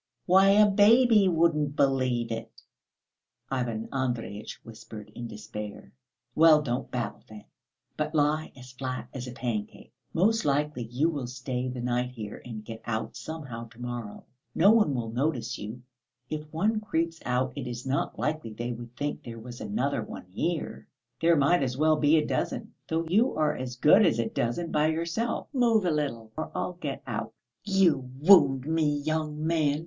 Why, a baby wouldn't believe it," Ivan Andreyitch whispered in despair. "Well, don't babble then, but lie as flat as a pancake! Most likely you will stay the night here and get out somehow to morrow; no one will notice you. If one creeps out, it is not likely they would think there was another one here. There might as well be a dozen. Though you are as good as a dozen by yourself. Move a little, or I'll get out." "You wound me, young man....